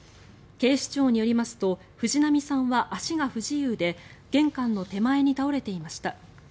警視庁によりますと藤波さんは足が不自由で玄関の手前に倒れていました。